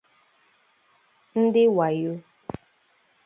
ndị wàyo